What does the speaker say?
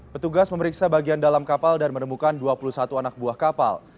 petugas memeriksa bagian dalam kapal dan menemukan dua puluh satu anak buah kapal